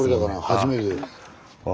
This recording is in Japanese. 初めて。